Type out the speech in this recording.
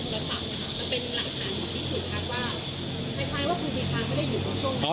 หลายว่าคุณโดยทางก็ได้อยู่ตัวช่วงหน้า